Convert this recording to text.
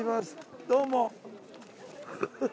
どうも。